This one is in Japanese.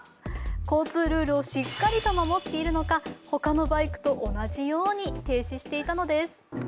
交通ルールをしっかりと守っているのか他のバイクと同じように停止していたのです。